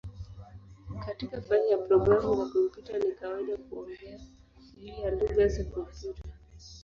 Katika fani ya programu za kompyuta ni kawaida kuongea juu ya "lugha ya kompyuta".